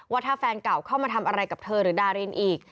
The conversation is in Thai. ว่าถ้าแฟนเก่าเข้ามาทำอะไรกับเธอหรือดารินอีก